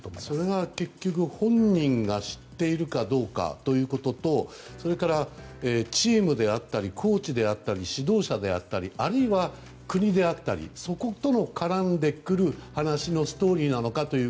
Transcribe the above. それは結局、本人が知っているかどうかということとそれから、チームであったりコーチ、指導者であったりあるいは、国であったりそことも絡んでくる話のストーリーなのか。